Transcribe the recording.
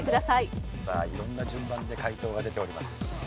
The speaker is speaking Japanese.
さあ色んな順番で解答が出ております。